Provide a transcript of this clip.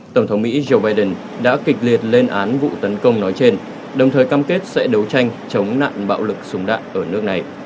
tổng thống mỹ joe biden đã kịch liệt lên án vụ tấn công nói trên đồng thời cam kết sẽ đấu tranh chống nạn bạo lực súng đạn ở nước này